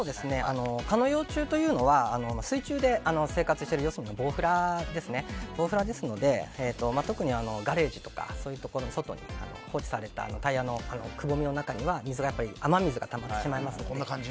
蚊の幼虫というのは水中で生活している要するにボウフラですので特にガレージとかそういうところの外に放置されたタイヤのくぼみの中に雨水がたまってしまいますので。